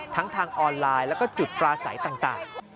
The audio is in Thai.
ทั้งทางออนไลน์แล้วก็จุดปลาใสต่าง